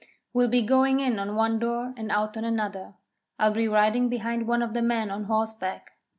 'We'll be going in on one door and out on another. I'll be riding behind one of the men on horseback.